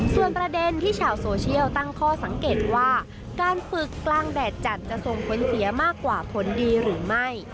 ส่วนประเด็นที่ชาวโซเชียลตั้งข้อสังเกตว่าการฝึกกลางแดดจัดจะส่งผลเสียมากกว่าผลดีหรือไม่